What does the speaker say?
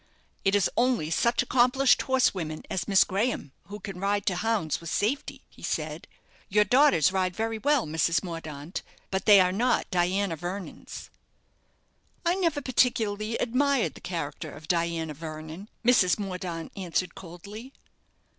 "It is only such accomplished horsewomen as Miss Graham who can ride to hounds with safety," he said. "Your daughters ride very well, Mrs. Mordaunt; but they are not Diana Vernons." "I never particularly admired the character of Diana Vernon," Mrs. Mordaunt answered, coldly.